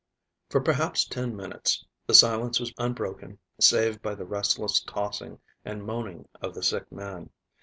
For perhaps ten minutes the silence was unbroken save by the restless tossing and moaning of the sick man.